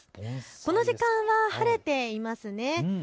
この時間は晴れていますね。